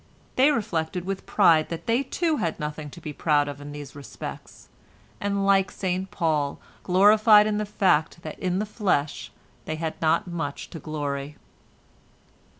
They reflected with pride that they too had nothing to be proud of in these respects, and like St Paul, gloried in the fact that in the flesh they had not much to glory.